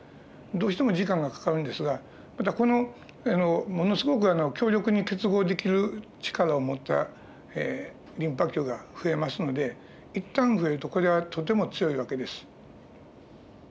どうしても時間がかかるんですがただこのものすごく強力に結合できる力を持ったリンパ球が増えますので一旦増えるとこれはとても強い訳です。